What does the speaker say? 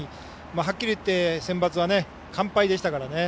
はっきり言ってセンバツは完敗でしたからね。